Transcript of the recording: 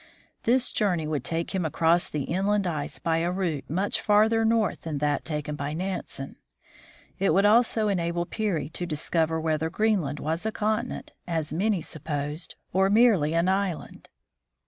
This journey would take him across the inland ice by a route much farther north than that taken by Nansen. It would also enable Peary to discover whether Greenland was a continent, as many supposed, or merely an island.